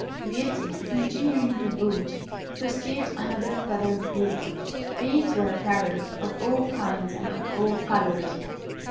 Beauty, continuing her route, perceived another feathered group; these were parrots of all kinds and of all colours.